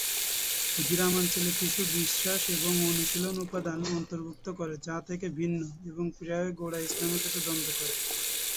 গ্রামাঞ্চলে কিছু বিশ্বাস এবং অনুশীলন উপাদান অন্তর্ভুক্ত করে যা থেকে ভিন্ন এবং প্রায়ই গোড়া ইসলামের সাথে দ্বন্দ্ব করে।